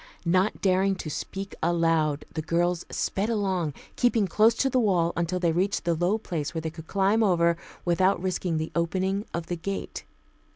Not daring to speak aloud, the girls sped along, keeping close to the wall until they reached the low place where they could climb over without risking the opening of the gate.